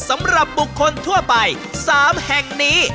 สำหรับบุคคลทั่วไป๓แห่งนี้